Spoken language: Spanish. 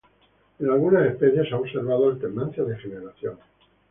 En algunas especies se ha observado alternancia de generaciones.